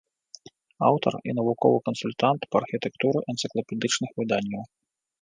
Аўтар і навуковы кансультант па архітэктуры энцыклапедычных выданняў.